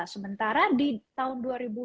sementara di tahun dua ribu dua puluh